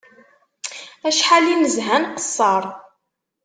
Acḥal i nezha nqeṣṣer